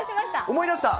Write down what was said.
思い出しました。